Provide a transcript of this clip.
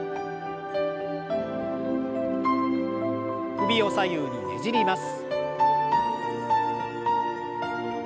首を左右にねじります。